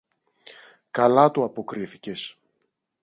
Καλά του αποκρίθηκες!